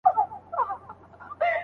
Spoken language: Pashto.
حکومت نوی تړون نه لاسلیک کوي.